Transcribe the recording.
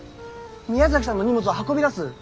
宮崎さんの荷物を運び出す。